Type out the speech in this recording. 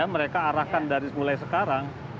mereka arahkan dari mulai sekarang